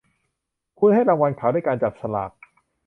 คุณให้รางวัลเขาด้วยการจับสลาก